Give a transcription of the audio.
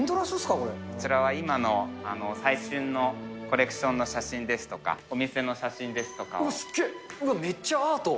こちらは今の最旬のコレクションの写真ですとか、お店の写真ですとかを。